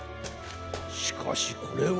しかしこれは。